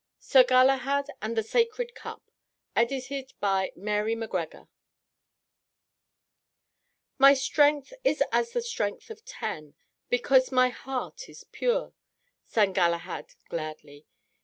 SIR GALAHAD AND THE SACRED CUP ADAPTED BY MARY MACGREGOR "My strength is as the strength of ten, Because my heart is pure," sang Galahad gladly.